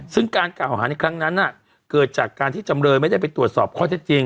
ซึ่งการกล่าวหาในครั้งนั้นเกิดจากการที่จำเลยไม่ได้ไปตรวจสอบข้อเท็จจริง